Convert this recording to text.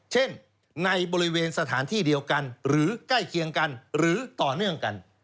เช่นในบริเวณสถานที่เดียวกันหรือใกล้เคียงกันหรือต่อเนื่องกัน